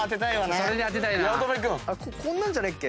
こんなんじゃないっけ？